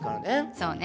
そうね。